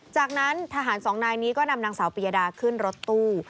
จากนั้นทหารสองนายนี้ก็นำนางสาวปียดาขึ้นรถตู้